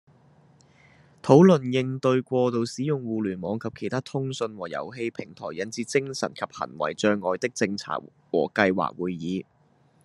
「討論應對過度使用互聯網及其他通訊和遊戲平台引致精神及行為障礙的政策和計劃」會議